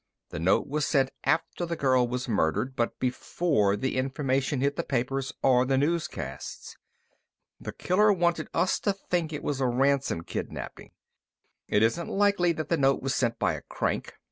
The note was sent after the girl was murdered, but before the information hit the papers or the newscasts. The killer wanted us to think it was a ransom kidnaping. It isn't likely that the note was sent by a crank.